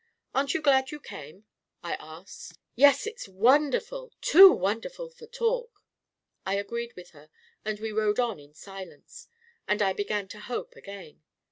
" Aren't you glad you came? " I asked. " Yes ; it's wonderful ! Too wonderful' for talk!" I agreed with her and we rode on in silence. And I began to hope again.